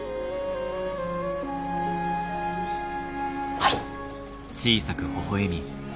はい！